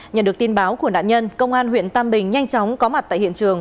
nhận được tin báo của nạn nhân công an huyện tam bình nhanh chóng có mặt tại hiện trường